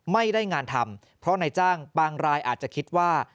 ไม่ได้งานทำเพราะนายจ้างบางรายอาจจะคิดว่า